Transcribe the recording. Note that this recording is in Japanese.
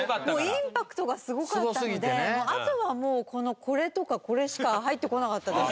インパクトがすごかったのであとはもうこれとかこれしか入ってこなかったです。